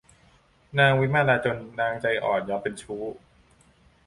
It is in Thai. นางวิมาลาจนนางใจอ่อนยอมเป็นชู้